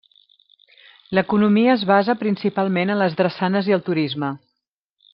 L'economia es basa principalment en les drassanes i el turisme.